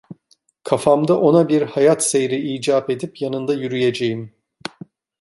Kafamda ona bir hayat seyri icap edip yanında yürüyeceğim.